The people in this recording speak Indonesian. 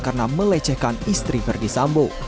karena melecehkan istri verdi sambo